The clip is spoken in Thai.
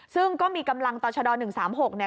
ซึ่งก็มีกำลังต่อชะดอย๑๓๖